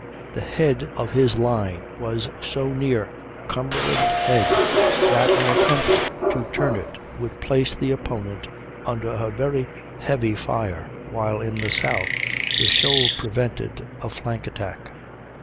The head of his line was so near Cumberland Head that an attempt to turn it would place the opponent under a very heavy fire, while to the south the shoal prevented a flank attack.